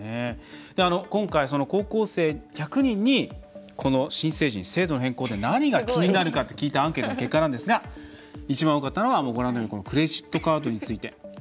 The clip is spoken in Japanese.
今回、高校生１００人にこの新成人制度の変更点何か気になるかと聞いたアンケートの結果なんですが一番多かったのはクレジットカードについて。